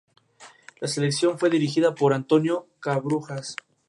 La selección fue dirigida por Antonio Cabrujas.